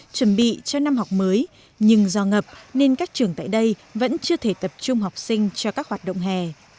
chuẩn bị cho năm học mới nhưng do ngập nên các trường tại đây vẫn chưa thể tập trung học sinh cho các hoạt động hè